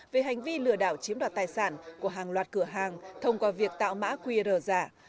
về hành vi lừa đảo chiếm đoạt tài sản của hàng loạt cửa hàng thông qua việc tạo mã qr giả